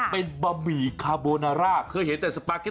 เป็นบะหมี่คาโบนาร่าเคยเห็นแต่สปาเกต